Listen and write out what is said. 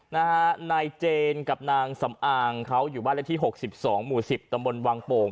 นะฮะนายเจนกับนางสำอางเขาอยู่บ้านละที่๖๒หมู่๑๐ตำบลวังโป่ง